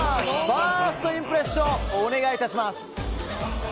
ファーストインプレッションお願い致します。